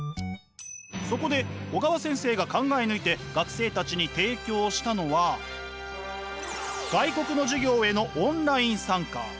そこで小川先生が考え抜いて学生たちに提供したのは外国の授業へのオンライン参加。